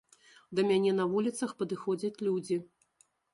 Да мяне на вуліцах падыходзяць людзі.